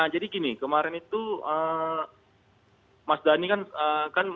jadi gini kemarin itu mas dhani kan